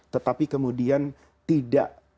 tetapi kemudian tidak